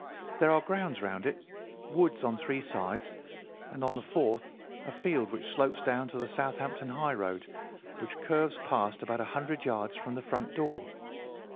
There are grounds round it, woods on three sides, and on the fourth a field which slopes down to the Southampton highroad, which curves past about a hundred yards from the front door.